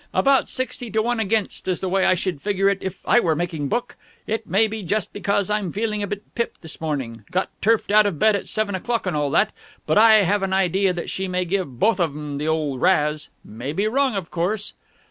About sixty to one against is the way I should figure it if I were making a book. It may be just because I'm feeling a bit pipped this morning got turfed out of bed at seven o'clock and all that but I have an idea that she may give both of them the old razz. May be wrong, of course."